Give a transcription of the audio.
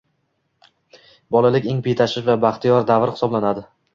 Bolalik eng betashvish va baxtiyor davr hisoblanadi.